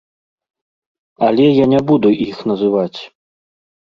Але я не буду іх называць.